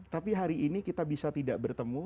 tapi hari ini kita bisa tidak bertemu